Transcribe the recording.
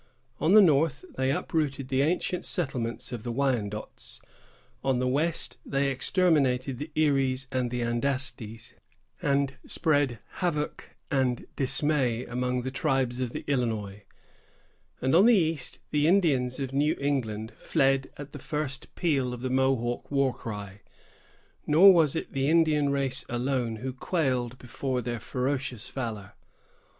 On the north, they uprooted the ancient settlements of the Wyandots; on the west they exterminated the Eries and the Andastes, and spread havoc and dismay among the tribes of the Illinois; and on the east, the Indians of New England fled at the first peal of the Mohawk war cry. Nor was it the Indian race alone who quailed before their ferocious valor.